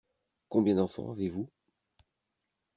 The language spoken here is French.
Combien d’enfants avez-vous ?